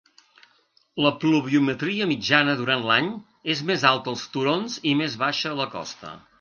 La pluviometria mitjana durant l'any és més alta als turons i més baixa a la costa.